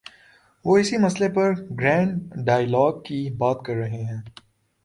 وہ اسی مسئلے پر گرینڈ ڈائیلاگ کی بات کر رہے ہیں۔